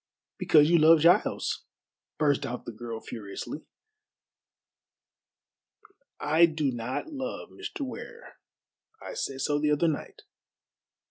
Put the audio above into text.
"Because you love Giles," burst out the girl furiously. "I do not love Mr. Ware. I said so the other night."